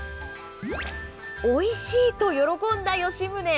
おいしい！と喜んだ吉宗。